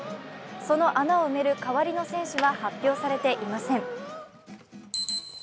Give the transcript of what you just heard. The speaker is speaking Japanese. その穴を埋める代わりの選手は発表されていません。